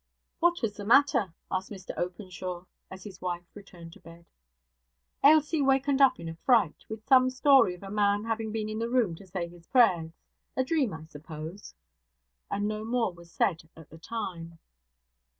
'What was the matter?' asked Mr Openshaw, as his wife returned to bed. 'Ailsie wakened up in a fright, with some story of a man having been in the room to say his prayers a dream, I suppose.' And no more was said at the time.